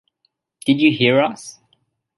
Did you hear us?